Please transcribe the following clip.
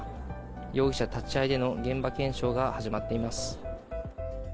容疑者立ち合いでの現場検証が始まっています。